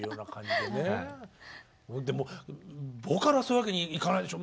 でもボーカルはそういうわけにいかないでしょ？